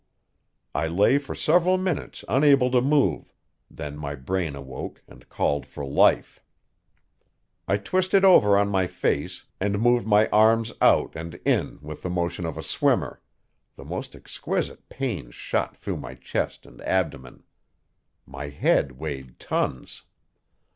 I lay for several minutes unable to move; then my brain awoke and called for life. I twisted over on my face, and moved my arms out and in with the motion of a swimmer; the most exquisite pains shot through my chest and abdomen. My head weighed tons.